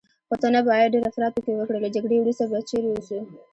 خو ته نه باید ډېر افراط پکې وکړې، له جګړې وروسته به چیرې اوسو؟